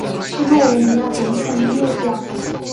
斯洛文尼亚总统列表